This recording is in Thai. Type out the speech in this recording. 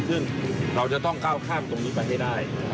ซึ่งเราจะต้องก้าวข้ามตรงนี้ไปให้ได้